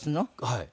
はい。